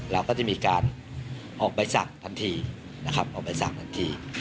เราก็จะมีการออกใบสั่งทันที